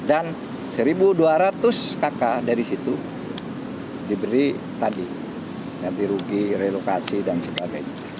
dan seribu dua ratus kakak dari situ diberi tadi yang dirugi relokasi dan sebagainya